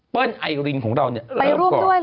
ไปร่วมด้วยเหรอ